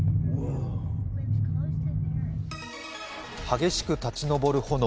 激しく立ち上る炎。